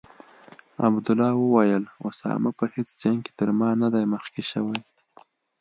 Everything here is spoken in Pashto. عبدالله وویل: اسامه په هیڅ جنګ کې تر ما نه دی مخکې شوی.